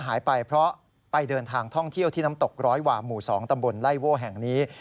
หายไปเพราะไปเดินทางท่องเที่ยวที่น้ำตกร้อยหว่าหมู่๒ตำบลไล่โว้แห่งนี้